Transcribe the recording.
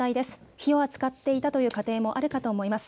火を扱っていたという家庭もあるかと思います。